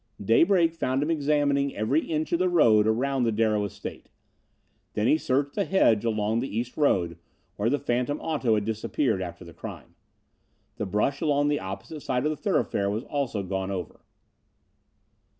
Daybreak found him examining every inch of the road around the Darrow estate. Then he searched the hedge along the east road, where the phantom auto had disappeared after the crime. The brush along the opposite side of the thoroughfare was also gone over.